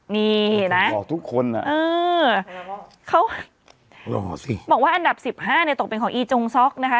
นี่นะขอทุกคนอ่ะเออเขารอสิบอกว่าอันดับสิบห้าในตกเป็นของอีจงซ็อกนะคะ